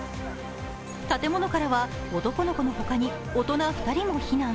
建物からは男の子ほかに大人２人も避難。